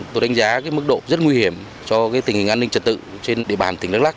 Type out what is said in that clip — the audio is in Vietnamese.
tôi đánh giá mức độ rất nguy hiểm cho tình hình an ninh trật tự trên địa bàn tỉnh đắk lắc